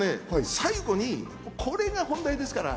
最後にこれが本題ですから。